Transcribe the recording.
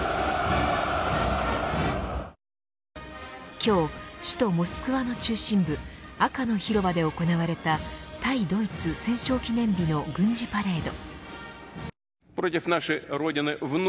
今日、首都モスクワの中心部赤の広場で行われた対ドイツ戦勝記念日の軍事パレード。